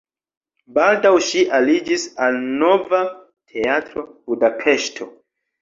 Baldaŭ ŝi aliĝis al Nova Teatro (Budapeŝto).